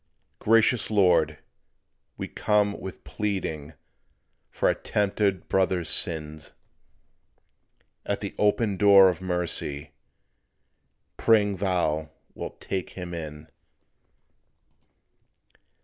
Gracious Lord, we come with pleading For our tempted brother's sin; At the open door of mercy Praying Thou wilt take him in.